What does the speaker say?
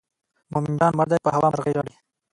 مومن جان مړ دی په هوا مرغۍ ژاړي.